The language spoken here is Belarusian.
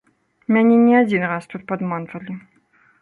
Мяне не адзін раз тут падманвалі.